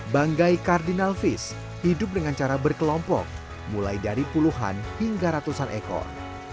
banggai kardinal fish hidup dengan cara berkelompok mulai dari puluhan hingga ratusan ekor